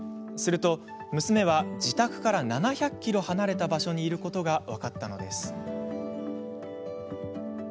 すると娘は自宅から７００ｋｍ離れた場所にいることが分かったのです。